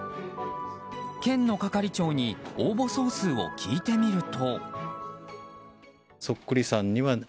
県の係長に応募総数を聞いてみると。